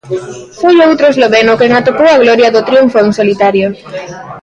Foi outro esloveno quen atopou a gloria do triunfo en solitario.